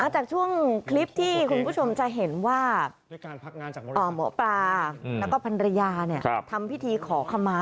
จากช่วงคลิปที่คุณผู้ชมจะเห็นว่าหมอปลาแล้วก็พันรยาทำพิธีขอขมา